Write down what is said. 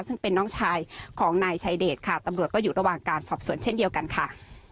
ซึ่งเป็นน้องชายของนายชายเดชค่ะตำรวจก็อยู่ระหว่างการสอบสวนเช่นเดียวกันค่ะ